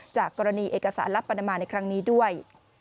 จากกรณีเอกสารลับปานามาในครั้งนี้ด้วย